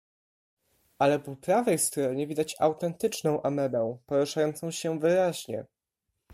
"Ale po prawej stronie widać autentyczną amebę, poruszającą się wyraźnie."